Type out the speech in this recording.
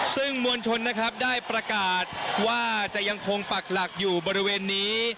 ซึ่งมวลชนนะครับได้ประกาศว่าจะยังคงปักหลักอยู่บริเวณนี้